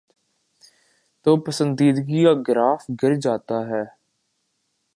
توپسندیدگی کا گراف گر جاتا ہے۔